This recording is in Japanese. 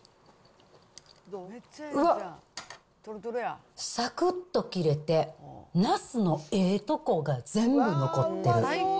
うわ、さくっと切れて、なすのええとこが全部残ってる。